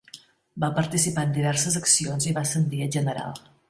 Va participar en diverses accions i va ascendir a general.